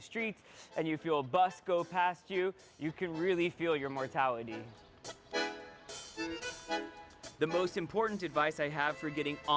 jika ada bus yang berjalan lewat anda